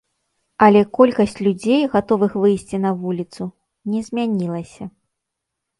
Але колькасць людзей, гатовых выйсці на вуліцу, не змянілася.